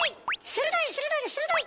鋭い鋭い鋭い！